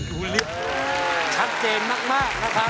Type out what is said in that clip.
ชัดเจนมากนะครับ